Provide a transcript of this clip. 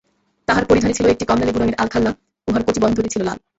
তাঁহার পরিধানে ছিল একটি কমলালেবু রঙের আলখাল্লা, উহার কটিবন্ধটি লাল।